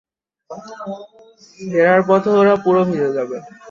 ফেরার পথে ওরা পুরো ভিজে যাবে।